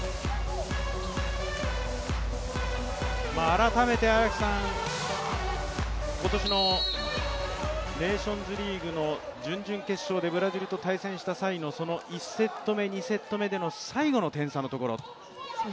改めて、今年のネーションズリーグの準々決勝でブラジルと対戦した際の、１セット目、２セット目での最後の点差のところ。